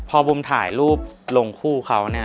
พอบุ้มถ่ายรูปลงคู่เขา